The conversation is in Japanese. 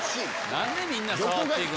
何でみんな触って行く？